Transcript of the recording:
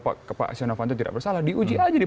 pak sionavanto tidak bersalah diuji aja di